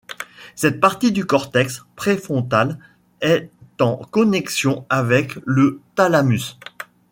Cette partie du cortex préfrontal est en connexion avec le thalamus.